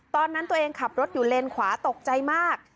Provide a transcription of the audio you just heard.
ตอนนั้นตัวเองขับรถอยู่เลนขวาตกใจมาก